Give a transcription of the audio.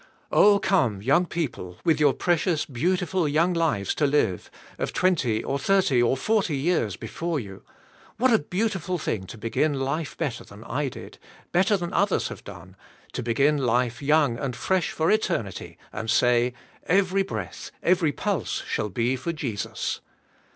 Oh come, young people, with your precious, beautiful young lives to live, of twenty or thirty or forty years before you, what a beautiful thing to begin life better than I did, better than others have done, to begin life young and fresh for eternity and say, "Every breath, every pulse, shall be for Jesus."